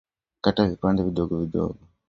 Kata vipande vidogo vidogo